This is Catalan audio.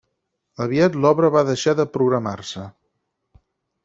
Aviat l'obra va deixar de programar-se.